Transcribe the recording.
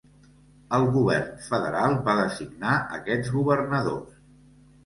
El Govern federal va designar aquests governadors.